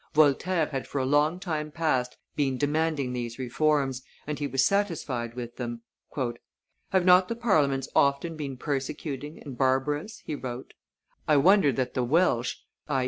Voltaire had for a long time past been demanding these reforms, and he was satisfied with them. "Have not the Parliaments often been persecuting and barbarous?" he wrote; "I wonder that the Welches [i.